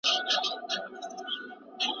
تاسو باید د مقالي لپاره یو ښه او منظم پلان ولرئ.